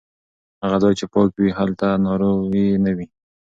هغه ځای چې پاک وي هلته ناروغي نه وي.